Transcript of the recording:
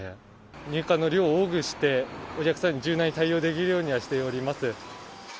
入荷の量を多くして、お客さんに柔軟に対応できるようにはしております。